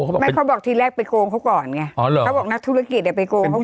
ไม่เขาบอกทีแรกไปโกงเขาก่อนไงเขาบอกนักธุรกิจเนี่ยไปโกงเขาก่อน